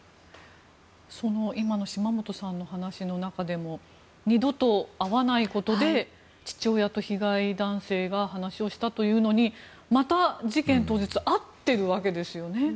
今の島本さんの話の中でも二度と会わないことで父親と被害男性が話をしたというのにまた、事件当日会っているわけですよね。